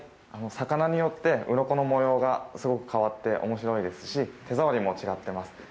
魚によってうろこの模様がすごく変わっておもしろいですし、手触りも違ってます。